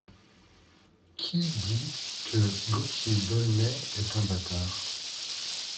Qui dit que Gaultier d’Aulnay est un bâtard ?